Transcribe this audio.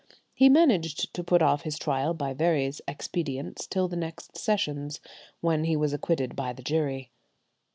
He managed to put off his trial by various expedients till the next sessions, when he was acquitted by the jury.